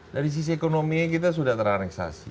dari sisi ekonomi kita sudah teraneksasi